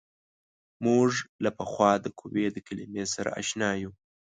موږ له پخوا د قوې د کلمې سره اشنا یو.